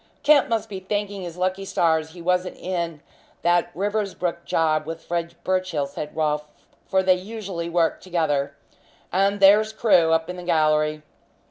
"Kemp must be thanking his lucky stars he wasn't in that Riversbrook job with Fred Birchill," said Rolfe, "for they usually work together. And there's Crewe, up in the gallery."